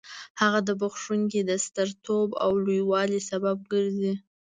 هغه د بخښونکي د سترتوب او لوی والي سبب ګرځي.